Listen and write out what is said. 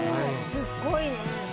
すごいね。